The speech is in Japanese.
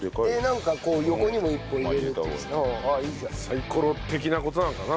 サイコロ的な事なのかな？